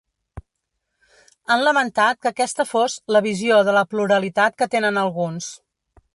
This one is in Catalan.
Han lamentat que aquesta fos ‘la visió de la pluralitat que tenen alguns’.